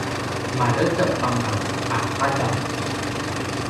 maledep anga qadaw